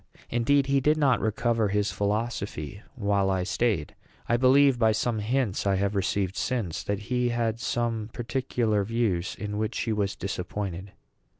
Indeed, he did not recover his philosophy while I staid. I believe, by some hints I have received since, that he had some particular views in which he was disappointed.